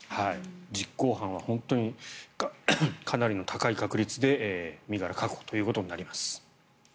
実行犯はかなりの高い確率で身柄確保ということになります。